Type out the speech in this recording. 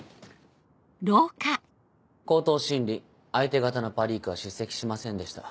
口頭審理相手方のパリークは出席しませんでした。